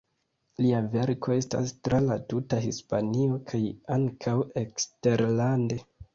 Lia verko estas tra la tuta Hispanio kaj ankaŭ eksterlande.